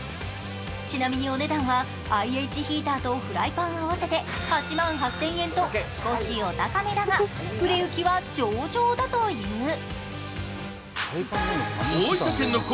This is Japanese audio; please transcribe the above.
ちなみにお値段はＩＨヒーターとフライパン合わせて８万８０００円と少しお高めだが売れ行きは上々だという。